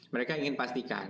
mereka ingin pastikan